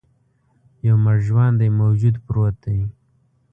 یو مړ ژواندی موجود پروت دی.